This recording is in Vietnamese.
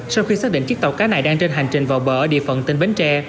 sau khi xác định chiếc tàu cá này đang trên hành trình vào bờ địa phận tỉnh bến tre